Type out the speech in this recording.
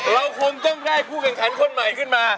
เราคงต้องได้ผู้แข่งขันคนใหม่ขึ้นมา